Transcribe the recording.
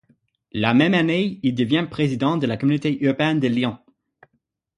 La même année, il devient président de la communauté urbaine de Lyon.